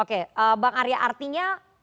oke bang arya artinya